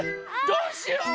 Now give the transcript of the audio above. どうしよう？